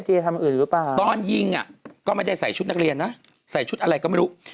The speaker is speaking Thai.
ทำอื่นหรือเปล่าตอนยิงอ่ะก็ไม่ได้ใส่ชุดนักเรียนนะใส่ชุดอะไรก็ไม่รู้